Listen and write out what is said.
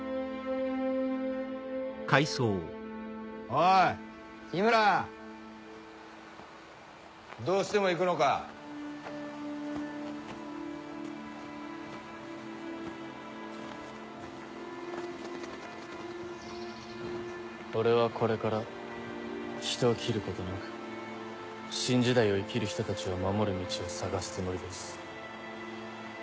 おい緋村どうしても俺はこれから人を斬ることなく新時代を生きる人たちを守る道を探すつもりです